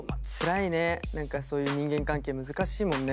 何かそういう人間関係難しいもんね。